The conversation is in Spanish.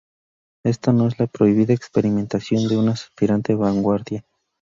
Esta no es la prohibida experimentación de una aspirante vanguardia.